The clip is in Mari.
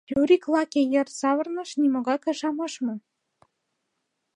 Юрик лаке йыр савырныш, нимогай кышам ыш му.